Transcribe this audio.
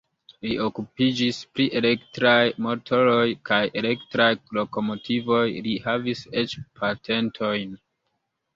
Li okupiĝis pri elektraj motoroj kaj elektraj lokomotivoj, li havis eĉ patentojn.